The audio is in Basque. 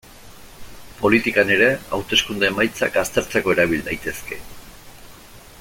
Politikan ere, hauteskunde emaitzak aztertzeko erabil daitezke.